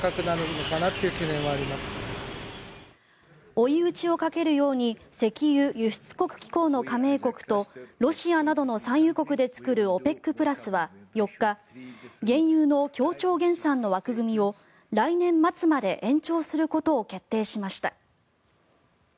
追い打ちをかけるように石油輸出国機構の加盟国とロシアなどの産油国で作るＯＰＥＣプラスは４日原油の協調減産の枠組みを来年末まで延長することを決定しました。